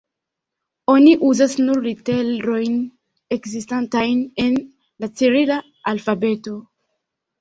Oni uzas nur literojn ekzistantajn en la cirila alfabeto.